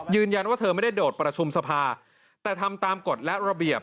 ยืนยันว่าเธอไม่ได้โดดประชุมสภาแต่ทำตามกฎและระเบียบ